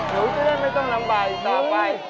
หนูจะได้ไม่ต้องลำบายสาไป